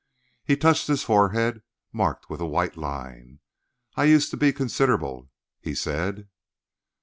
He touched his forehead, marked with a white line. "I used to be considerable," he said.